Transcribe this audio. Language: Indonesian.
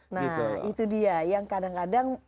nah itu dia yang kadang kadang